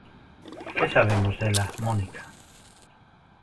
Que sabemos dela, Mónica?